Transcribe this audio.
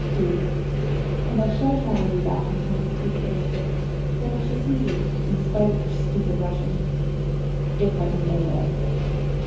"Do." "And I shall try and be back in time for tea Thursday, then I shall see you, in spite of your stupid Russian." "If I can get away."